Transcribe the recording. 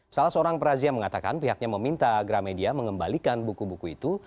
salah seorang perazia mengatakan pihaknya meminta gramedia mengembalikan buku buku itu